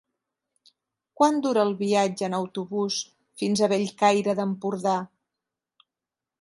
Quant dura el viatge en autobús fins a Bellcaire d'Empordà?